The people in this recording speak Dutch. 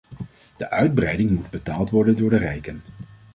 De uitbreiding moet betaald worden door de rijken.